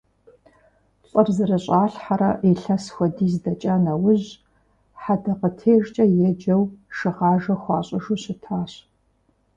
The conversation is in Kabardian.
ЛӀыр зэрыщӀалъхьэрэ илъэс хуэдиз дэкӀа нэужь, хьэдэкъытежкӀэ еджэу шыгъажэ хуащӀыжу щытащ.